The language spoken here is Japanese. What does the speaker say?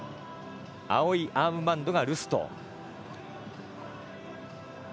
青いアームバンドがルスト。